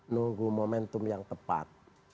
nunggu momentum yang tepat